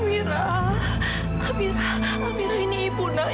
amirah amirah amirah ini ibu nak